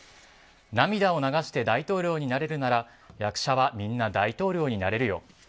涙を流して大統領になれるなら役者はみんな大統領になれるよ。